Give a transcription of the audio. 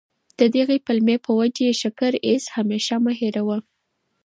د دغي پلمې په وجه د شکر ایسهمېشه مه هېروه.